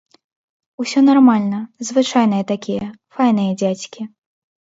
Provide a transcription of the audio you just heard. Усё нармальна, звычайныя такія, файныя дзядзькі.